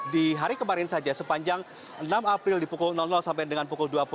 di hari kemarin saja sepanjang enam april di pukul sampai dengan pukul dua puluh